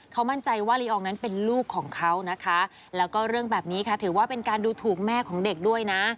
เขามั่นใจว่าลีอองนั้นเป็นลูกของเขานะคะแล้วก็เรื่องแบบนี้ค่ะถือว่าเป็นการดูถูกแม่ของเด็กด้วยนะ